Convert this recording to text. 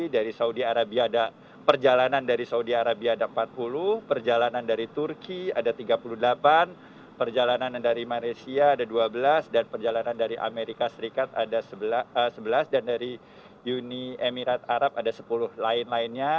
dari saudi arabia ada perjalanan dari saudi arabia ada empat puluh perjalanan dari turki ada tiga puluh delapan perjalanan dari malaysia ada dua belas dan perjalanan dari amerika serikat ada sebelas dan dari uni emirat arab ada sepuluh lain lainnya